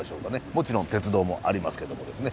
もちろん鉄道もありますけどもですね。